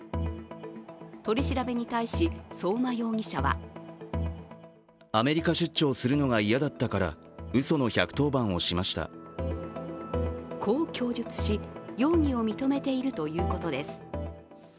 取り調べに対し、相馬容疑者はこう供述し、容疑を認めているということです。